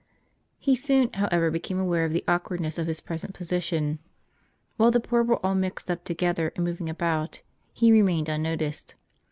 He soon, however, became aware of the awk wardness of his present position. While the poor were all mixed up together and moving about, he remained unnoticed.